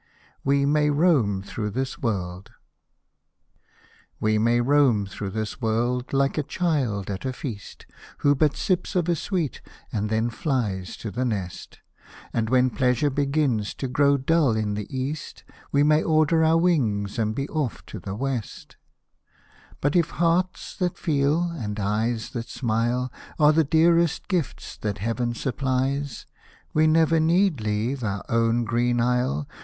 WE MAY ROAM THROUGH THIS WORLD We may roam through this world, like a child at a feast, WHio but sips of a sweet, and then flies to the nest ; And, when pleasure begins to grow dull in the east, W^e may order our wings and be off to the west ; Hosted by Google 14 IRISH MELODIES But if hearts that feel, and eyes that smile, Are the dearest gifts that heaven supplies, We never need leave our own green isle.